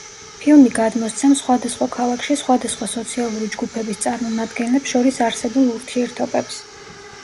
ფილმი გადმოსცემს სხვადასხვა ქალაქში სხვადასხვა სოციალური ჯგუფების წარმომადგენლებს შორის არსებულ ურთიერთობებს.